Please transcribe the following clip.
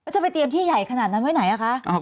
จะไปเตรียมที่ใหญ่ขนาดนั้นไว้ไหนอะคะ